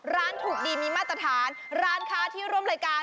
ร้านถูกดีมีมาตรฐานร้านค้าที่ร่วมรายการ